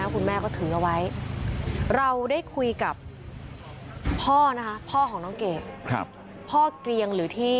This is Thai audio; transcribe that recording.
ผู้หญิง